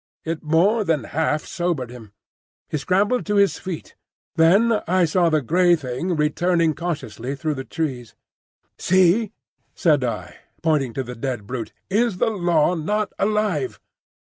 It more than half sobered him. He scrambled to his feet. Then I saw the grey Thing returning cautiously through the trees. "See," said I, pointing to the dead brute, "is the Law not alive?